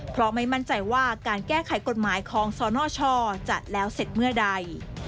เพราะไม่มั่นใจว่าการแก้ไขกฎหมายของสนชจะแล้วเสร็จเมื่อใด